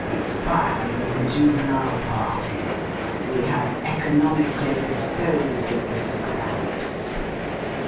Expired with the Juvenile party we have economically disposed of the scraps.